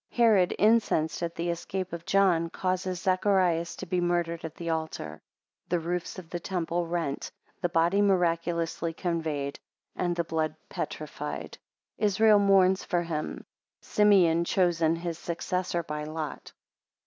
9 Herod incensed at the escape of John, causes Zacharias to be murdered at the altar. 23 The roofs of the temple rent, the body miraculously conveyed, and the blood petrified. 25 Israel mourns for him. 27 Simeon chosen his successor by lot.